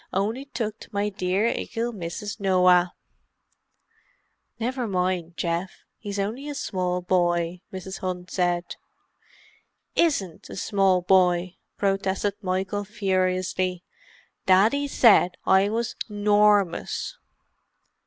"Only tooked my dear 'ickle Mrs. Noah." "Never mind Geoff—he's only a small boy," Mrs. Hunt said. "Isn't a small boy!" protested Michael furiously. "Daddy said I was 'normous."